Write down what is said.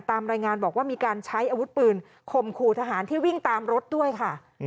ตามรายงานบอกว่ามีการใช้อาวุธปืนข่มขู่ทหารที่วิ่งตามรถด้วยค่ะ